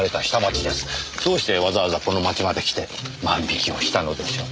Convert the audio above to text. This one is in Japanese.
どうしてわざわざこの町まで来て万引きをしたのでしょう。